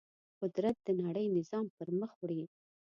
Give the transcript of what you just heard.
قدرت د نړۍ نظام پر مخ وړي.